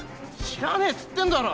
知らねえっつってんだろ。